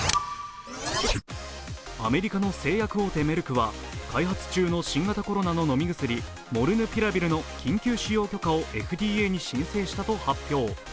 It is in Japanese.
アメリカの製薬大手、メルクは開発中の新型コロナの飲み薬、モルヌピラビルの緊急使用許可ＦＤＡに申請したと発表。